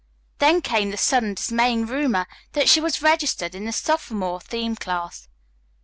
Then came the sudden dismaying rumor that she was registered in the sophomore theme class.